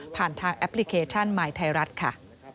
ทางแอปพลิเคชันมายไทยรัฐค่ะ